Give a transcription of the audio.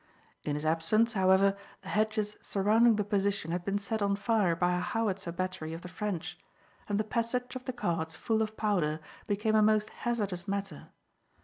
In his absence, however, the hedges surrounding the position had been set on fire by a howitzer battery of the French, and the passage of the carts full of powder became a most hazardous matter.